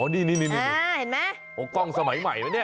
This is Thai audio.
อ๋อนี่เห็นมั้ยกล้องสมัยใหม่นะเนี่ย